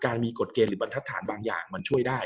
มีกฎเกณฑ์หรือบรรทัศนบางอย่างมันช่วยได้